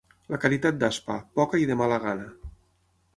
La caritat d'Aspa: poca i de mala gana.